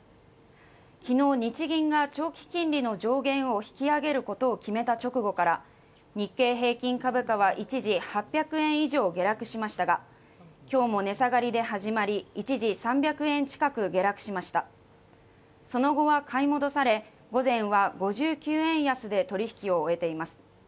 昨日、日銀が長期金利の上限を引き上げることを決めた直後から日経平均株価は一時８００円以上下落しましたが今日も値下がりで始まり一時３００円近く下落しましたその後は買い戻され午前は５９円安で取引を終えています